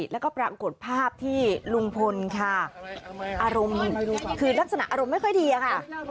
แล้วก็ปรากฏภาพที่ลุงพลค่ะอารมณ์คือลักษณะอารมณ์ไม่ค่อยดีอะค่ะ